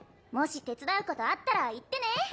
もし手伝うことあったら言ってね。